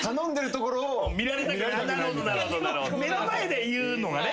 目の前で言うのがね。